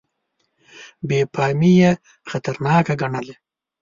بې پامي یې خطرناکه ګڼله.